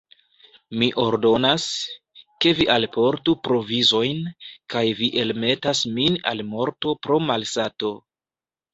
Mi ordonas, ke vi alportu provizojn, kaj vi elmetas min al morto pro malsato!